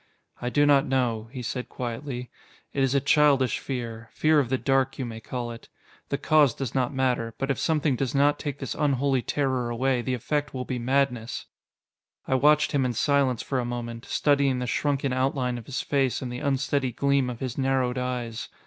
"I do not know," he said quietly. "It is a childish fear fear of the dark, you may call it. The cause does not matter; but if something does not take this unholy terror away, the effect will be madness." I watched him in silence for a moment, studying the shrunken outline of his face and the unsteady gleam of his narrowed eyes.